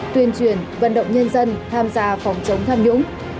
tuyên truyền vận động nhân dân tham gia phòng chống tham nhũng